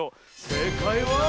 せいかいは。